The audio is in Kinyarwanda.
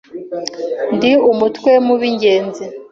Ndi umutwe mu b'ingenzi